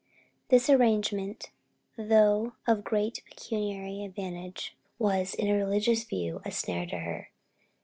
This arrangement, though of great pecuniary advantage, was, in a religious view, a snare to her.